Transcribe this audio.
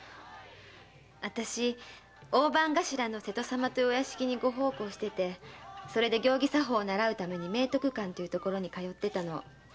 あたし大番頭の瀬戸様というお屋敷にご奉公していてそれで行儀作法を習うために明徳館という所に通ってたの。